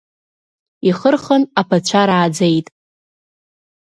Ихырхын аԥацәа рааӡеит…